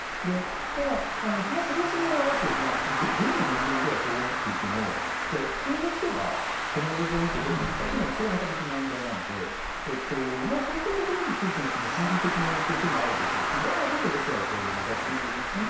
ただ、それはある種軍の人間ではそう思っていてもじゃあ普通の人がこの映像を見てどう思うかというのはそれはまた別の問題なのでそういったところについての心理的な影響というのはあるでしょうしだからこそロシアはこういう映像を出しているんですね。